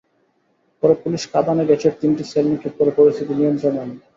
পরে পুলিশ কাঁদানে গ্যাসের তিনটি শেল নিক্ষেপ করে পরিস্থিতি নিয়ন্ত্রণে আনে।